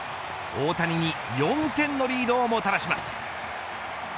大谷に４点のリードをもたらします。